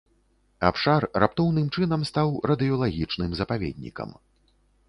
Абшар раптоўным чынам стаў радыелагічным запаведнікам.